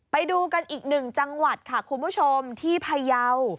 ไปดูกันอีกหนึ่งจังหวัดค่ะคุณผู้ชมที่พยาว